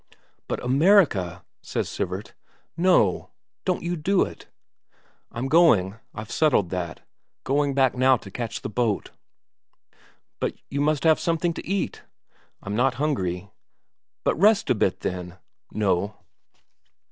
"But America!" says Sivert. "No, don't you do it." "I'm going. I've settled that. Going back now to catch the boat." "But you must have something to eat." "I'm not hungry." "But rest a bit, then?" "No."